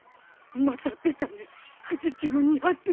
また出たね藤木の２発目。